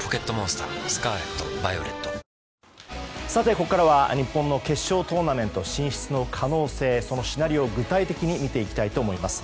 ここからは日本の決勝トーナメント進出の可能性、そのシナリオを具体的に見ていきたいと思います。